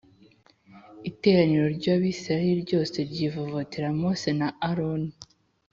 Iteraniro ry Abisirayeli ryose ryivovotera Mose na aroni